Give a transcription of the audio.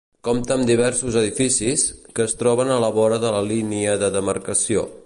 Compta amb diversos edificis, que es troben a la vora de la línia de demarcació.